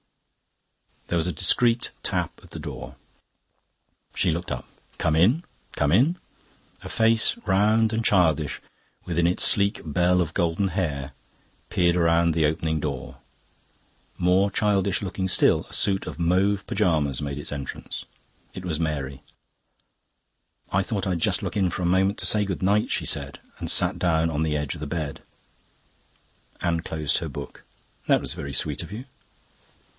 There was a discreet tap at the door. She looked up. "Come in, come in." A face, round and childish, within its sleek bell of golden hair, peered round the opening door. More childish looking still, a suit of mauve pyjamas made its entrance. It was Mary. "I thought I'd just look in for a moment to say good night," she said, and sat down on the edge of the bed. Anne closed her book. "That was very sweet of you."